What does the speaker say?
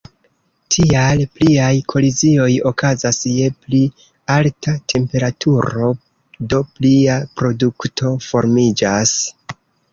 Tial pliaj kolizioj okazas je pli alta temperaturo, do plia produkto formiĝas.